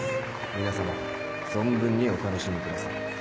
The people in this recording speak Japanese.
皆さま存分にお楽しみください。